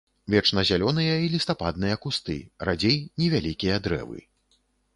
Вечназялёныя і лістападныя кусты, радзей невялікія дрэвы.